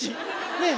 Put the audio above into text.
ねえ！